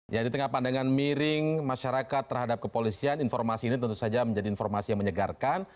ya di tengah pandangan miring masyarakat terhadap kepolisian informasi ini tentu saja menjadi informasi yang menyegarkan